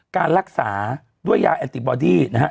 การรักษาด้วยยาแอนติบอดี้นะฮะ